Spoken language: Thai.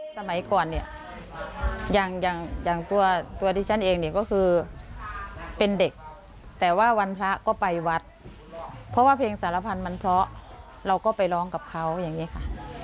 สมัยก่อนอย่างตัวที่ฉันเองก็คือเป็นเด็กแต่ว่าวันพระก็ไปวัดเพราะว่าเพลงสรพัญมันเพราะเราก็ไปร้องกับเขาอย่างนี้ค่ะ